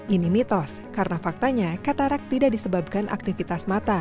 ini mitos karena faktanya katarak tidak disebabkan aktivitas mata